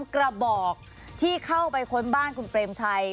กระบอกที่เข้าไปค้นบ้านคุณเปรมชัย